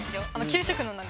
給食の中。